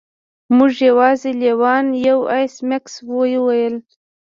موږ یوازې لیوان یو ایس میکس وویل